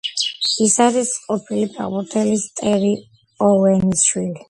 ის არის ყოფილი ფეხბურთელის, ტერი ოუენის შვილი.